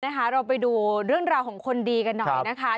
เราไปดูเรื่องราวของคนดีกันหน่อยนะคะ